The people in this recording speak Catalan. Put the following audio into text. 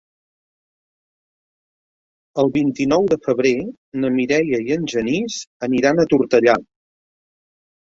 El vint-i-nou de febrer na Mireia i en Genís aniran a Tortellà.